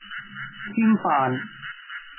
添飯